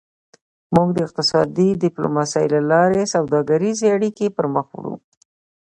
موږ د اقتصادي ډیپلوماسي له لارې سوداګریزې اړیکې پرمخ وړو